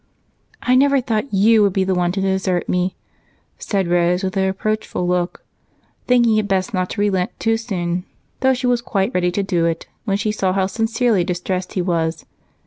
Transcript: "I never thought you would be the one to desert me," said Rose with a reproachful look, thinking it best not to relent too soon, though she was quite ready to do it when she saw how sincerely distressed he was.